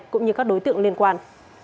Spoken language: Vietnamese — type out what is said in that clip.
cũng như các đối tượng liên quan